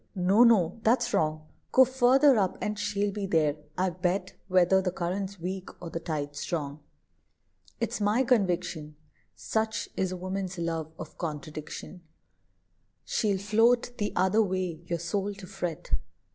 no, no; that's wrong. Go further up, and she'll be there, I bet, Whether the current's weak, or the tide strong." It's my conviction, Such is a woman's love of contradiction, She'll float the other way, your soul to fret.